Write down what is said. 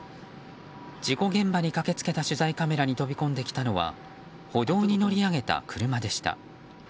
事故現場に駆け付けた取材カメラに飛び込んできたのは歩道に乗り上げた車でした。